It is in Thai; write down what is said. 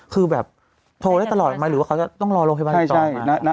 คือโทรได้ตลอดมาหรือว่าเขาจะต้องรอโรงพยาบาลต่อมา